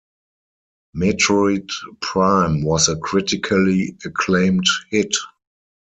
"Metroid Prime" was a critically acclaimed hit.